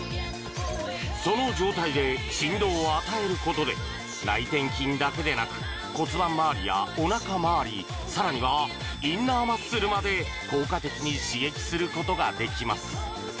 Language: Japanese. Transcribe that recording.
その状態で振動を与えることで内転筋だけでなく骨盤まわりやおなかまわりさらにはインナーマッスルまで効果的に刺激することができます